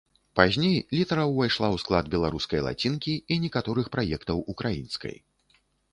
Пазней літара ўвайшла ў склад беларускай лацінкі і некаторых праектаў украінскай.